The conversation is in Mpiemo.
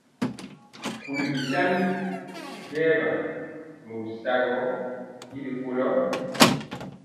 Nkuli bisani biɛɛba mori sagɔ y ri kolo.